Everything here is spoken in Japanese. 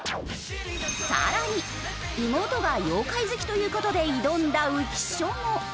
さらに妹が妖怪好きという事で挑んだ浮所も。